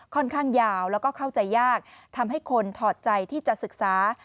ค่อนข้างยาวแล้วก็เข้าใจยากทำให้คนถอดใจที่จะศึกษา